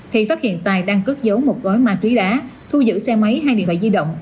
thì phát hiện tài đang cất giấu một gói ma túy đá thu giữ xe máy hai điện thoại di động